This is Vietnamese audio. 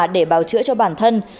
để bào chữa cho bản thân